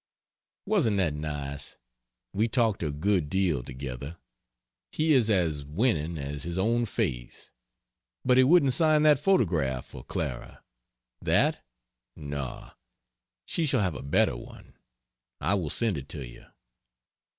Wasn't that nice? We talked a good deal together. He is as winning as his own face. But he wouldn't sign that photograph for Clara. "That? No! She shall have a better one. I will send it to you."